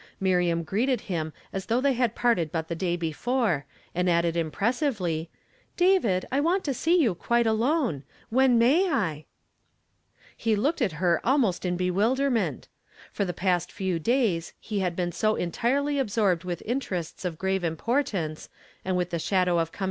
Miriam greeted him as though they had parted but the day before, and added im[)ressivp1y, " David, I want to see you quite alone. When may I ?" I,, ^! •:rl 800 YKSTKrjDAY iMlAMKn IN TO DAY. He looked at Iier almost in bewilderment. For the pjiHt few days he had been so entirely al)fiorb(Ml with interests of grave importance and with the shadow of ccM.